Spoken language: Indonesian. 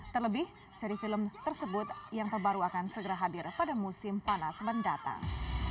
terlebih seri film tersebut yang terbaru akan segera hadir pada musim panas mendatang